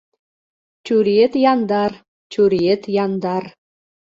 Чуриет яндар, чуриет яндар